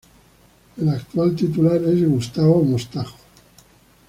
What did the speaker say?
El actual titular es Gustavo Mostajo.